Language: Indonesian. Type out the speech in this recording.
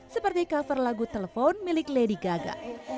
seperti cover lagu telepon milik lady gaga